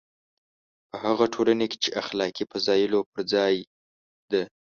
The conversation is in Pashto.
په هغه ټولنه کې چې اخلاقي فضایلو پر ځای ده.